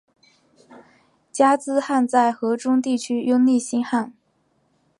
加兹罕在河中地区拥立新汗。